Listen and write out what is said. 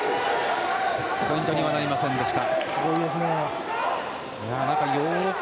ポイントにはなりませんでした。